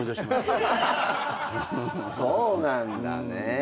そうなんだね。